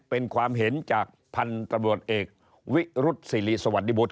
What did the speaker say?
เป็นความเห็นจากพันกระบวนเอกวิรุษสีรีสวัสดิบุธ